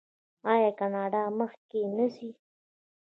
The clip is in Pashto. آیا کاناډا مخکې نه ځي؟